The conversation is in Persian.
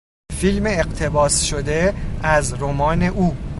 فیلم اقتباس شده از رمان او